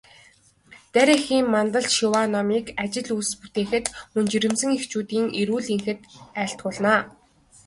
Дарь эхийн мандал шиваа номыг ажил үйлс бүтээхэд, мөн жирэмсэн эхчүүдийн эрүүл энхэд айлтгуулна.